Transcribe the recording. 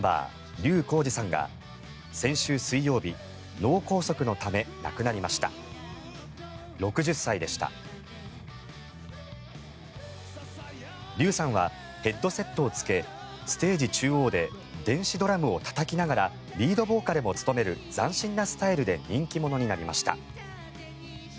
笠さんはヘッドセットをつけステージ中央で電子ドラムをたたきながらリードボーカルも務める斬新なスタイルで人気者になりました。